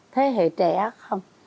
thế hệ trẻ không